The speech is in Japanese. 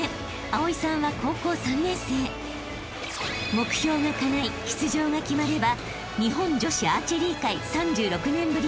［目標がかない出場が決まれば］